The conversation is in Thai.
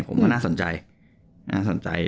ผมว่าน่าสนใจ